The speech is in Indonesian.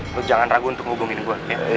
gue jangan ragu untuk hubungin gue